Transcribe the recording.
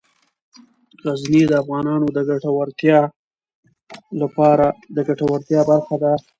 غزني د افغانانو د ګټورتیا برخه ده.